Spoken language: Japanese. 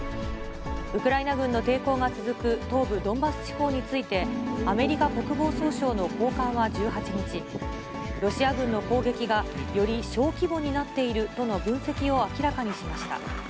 ウクライナ軍の抵抗が続く東部ドンバス地方について、アメリカ国防総省の高官は１８日、ロシア軍の攻撃がより小規模になっているとの分析を明らかにしました。